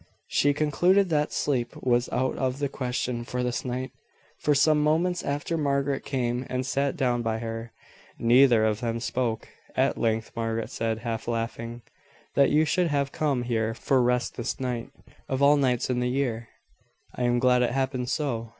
She concluded that sleep was out of the question for this night. For some moments after Margaret came and sat down by her, neither of them spoke. At length Margaret said, half laughing: "That you should have come here for rest this night, of all nights in the year!" "I am glad it happened so.